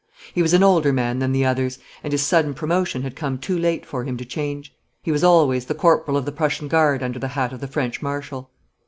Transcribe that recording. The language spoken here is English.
He was an older man than the others, and his sudden promotion had come too late for him to change. He was always the Corporal of the Prussian Guard under the hat of the French Marshal.